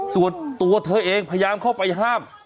ส่วนตัวเธอเองพยายามเข้าไปห้าม